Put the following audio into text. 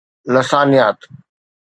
لسانيات